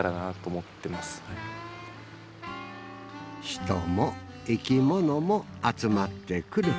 人も生き物も集まってくる。